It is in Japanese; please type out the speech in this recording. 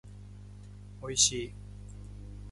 おいしい